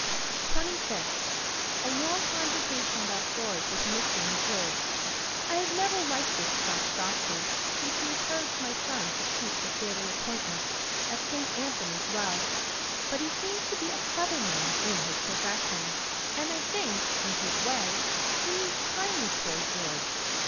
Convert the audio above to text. "25th. A long conversation about George with Mr. MacGlue. I have never liked this Scotch doctor since he encouraged my son to keep the fatal appointment at Saint Anthony's Well. But he seems to be a clever man in his profession and I think, in his way, he means kindly toward George.